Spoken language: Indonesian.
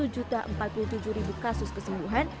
satu empat puluh tujuh kasus kesembuhan